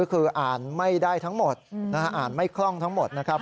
คืออ่านไม่ได้ทั้งหมดอ่านไม่คล่องทั้งหมดนะครับ